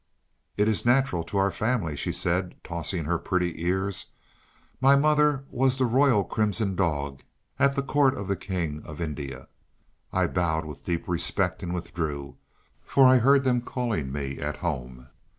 "It is natural to our family," she said, tossing her pretty ears. "My mother was the Royal Crimson Dog at the Court of the King of India." I bowed with deep respect and withdrew, for I heard them calling me at home.